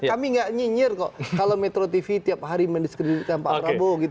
kami tidak nyinyir kok kalau metro tv tiap hari mendiskriminasikan pak prabowo gitu